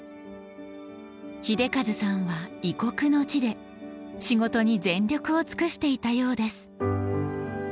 英一さんは異国の地で仕事に全力を尽くしていたようです。